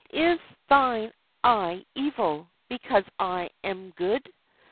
Is thine eye evil, because I am good?